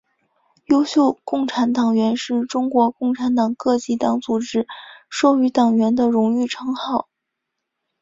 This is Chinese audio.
优秀共产党员是中国共产党各级党组织授予党员的荣誉称号。